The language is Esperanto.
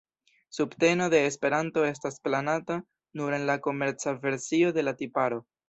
Subteno de Esperanto estas planata nur en la komerca versio de la tiparo.